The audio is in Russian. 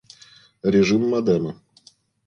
Режим модема